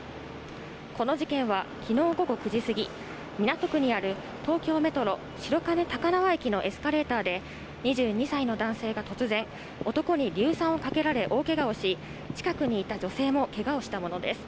この事件は、きのう午後９時過ぎ、港区にある東京メトロ白金高輪駅のエスカレーターで、２２歳の男性が突然、男に硫酸をかけられ、大けがをし、近くにいた女性もけがをしたものです。